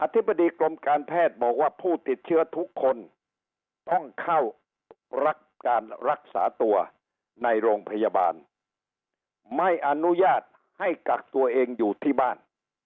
ธิบดีกรมการแพทย์บอกว่าผู้ติดเชื้อทุกคนต้องเข้ารับการรักษาตัวในโรงพยาบาลไม่อนุญาตให้กักตัวเองอยู่ที่บ้าน